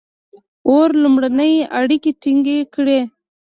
• اور لومړنۍ اړیکې ټینګې کړې.